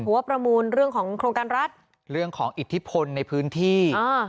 ว่าประมูลเรื่องของโครงการรัฐเรื่องของอิทธิพลในพื้นที่อ่า